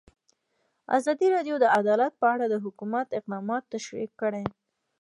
ازادي راډیو د عدالت په اړه د حکومت اقدامات تشریح کړي.